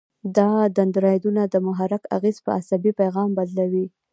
دا دندرایدونه د محرک اغیزه په عصبي پیغام بدلوي.